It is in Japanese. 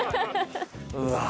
うわ。